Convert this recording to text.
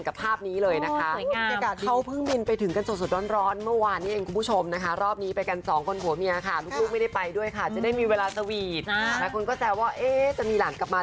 ก็ฝากเป็นกำลังใจให้ผมแล้วก็อีลิน่าคาเฟ่ด้วยนะครับขอบคุณมากครับ